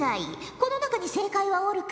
この中に正解はおるか？